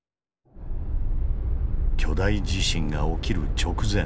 巨大地震が起きる直前。